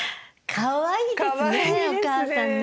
かわいいですねお母さんね。